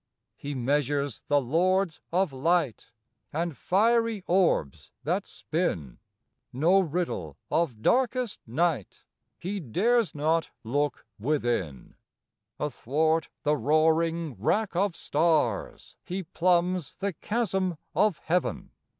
He measures the lords of light And fiery orbs that spin; No riddle of darkest night He dares not look within; Athwart the roaring wrack of stars He plumbs the chasm of heaven.